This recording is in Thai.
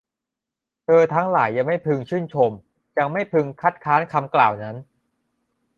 เธอทั้งหลายยังไม่พึงชื่นชม ยังไม่พึงคัดค้านคำกล่าวนั้น